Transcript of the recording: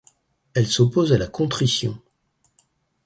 Elle s’oppose à la contrition.